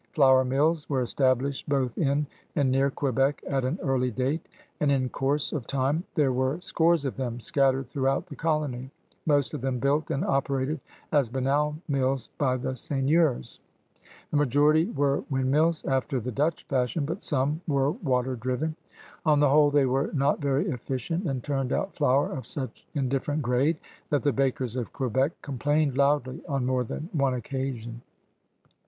Flour mills were established both in and near Quebec at an early date, and in course of time there were scores of them scattered through out the colony, most of them built and operated as banal mills by the seigneurs. The majority were windmills after the Dutch fashion, but some were water driven. On the whole, they were not very efficient and turned out flour of such indiffer ent grade that the bakers of Quebec complained loudly on more than one occasion.